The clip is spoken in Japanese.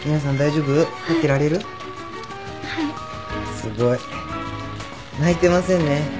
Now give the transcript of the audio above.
すごい。泣いてませんね？